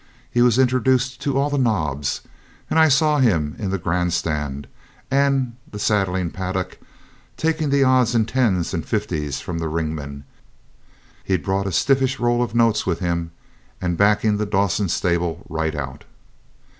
He was introduced to all the nobs, and I saw him in the grand stand and the saddling paddock, taking the odds in tens and fifties from the ringmen he'd brought a stiffish roll of notes with him and backing the Dawson stable right out.